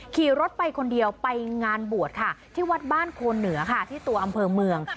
ขี่รถไปคนเดียวไปงานบวชค่ะที่วัดบ้านโคนเหนือค่ะที่ตัวอำเภอเมือง